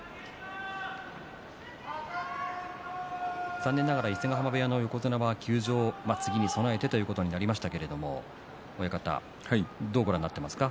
残念ながら伊勢ヶ濱部屋の横綱は休場、次に備えてということになりましたがどうご覧になっていますか？